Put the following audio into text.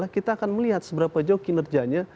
kita akan melihat seberapa jauh kinerjanya